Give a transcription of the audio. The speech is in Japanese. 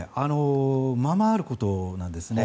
ままあることなんです。